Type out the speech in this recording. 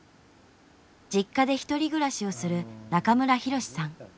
実家でひとり暮らしをする中村博司さん。